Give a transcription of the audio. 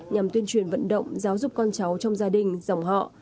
nhằm tuyên truyền vận động giáo dục con cháu trong gia đình dòng họ